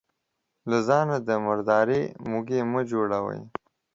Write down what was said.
له ځانه د مرداري موږى مه جوړوه.